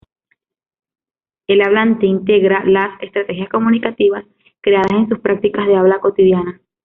El hablante integra las "estrategias comunicativas" creadas en sus prácticas de habla cotidianas.